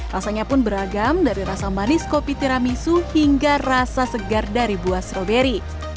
rasanya pun beragam dari rasa manis kopi tiramisu hingga rasa segar dari buah stroberi